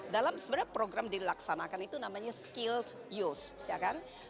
dalam program dilaksanakan itu namanya skilled youth